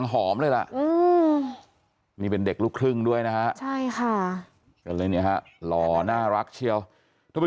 ชี้ด้วยชี้ด้วย